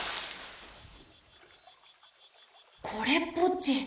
これっぽっち。